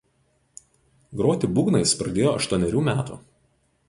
Groti būgnais pradėjo aštuonerių metų.